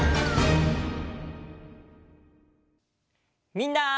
みんな！